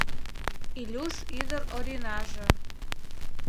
Илюш ӱдыр Оринаже